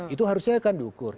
itu harusnya kan diukur